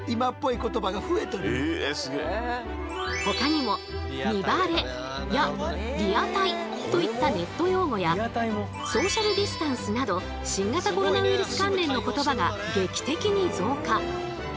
ほかにも「身バレ」や「リアタイ」といったネット用語や「ソーシャルディスタンス」など新型コロナウイルス関連の言葉が劇的に増加。